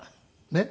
ねっ。